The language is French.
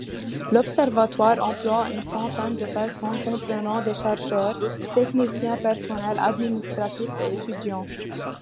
L'observatoire emploie une centaine de personnes comprenant des chercheurs, techniciens, personnel administratif et étudiants.